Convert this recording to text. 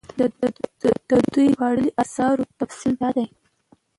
د دوي ژباړلي اثارو تفصيل دا دی